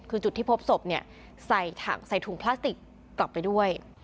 คือจุดที่พบศพใส่ถุงพลาสติกกลับไปด้วย